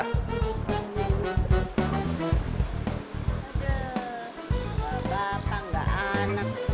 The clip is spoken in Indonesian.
aduh bapak ga anak